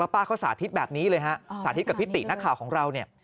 แล้วป้าเขาสาธิตแบบนี้เลยสาธิตกับพิตินักข่าวของเรา